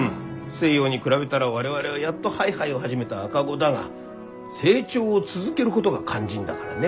西洋に比べたら我々はやっとハイハイを始めた赤子だが成長を続けることが肝心だからね。